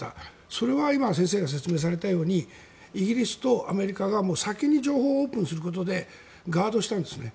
それは今、先生が説明されたようにイギリスとアメリカが先に情報をオープンにすることでガードしたんですね。